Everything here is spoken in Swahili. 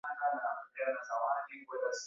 Mali hapa sikutaka.